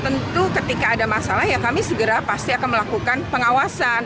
tentu ketika ada masalah ya kami segera pasti akan melakukan pengawasan